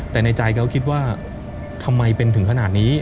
แต่ในใจเขาคิดว่าทำไมเป็นถึงขนาดนี้